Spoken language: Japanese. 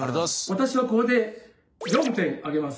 私はこれで４点あげます。